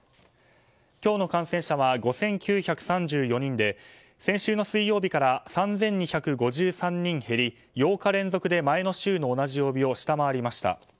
今日の感染者は５９３４人で先週の水曜日から３２５３人減り８日連続で前の週の同じ曜日を下回りました。